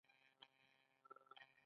د کتابونو لوستل د ذهن پراختیا سبب کیږي.